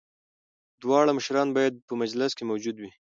دواړه مشران باید په مجلس کي موجود وي.